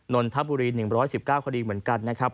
นนทบุรี๑๑๙คดีเหมือนกันนะครับ